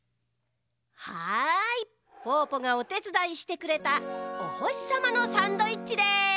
はいぽぅぽがおてつだいしてくれたおほしさまのサンドイッチです。